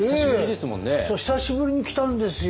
久しぶりに来たんですよ。